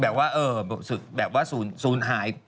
แบบว่าสูญหาย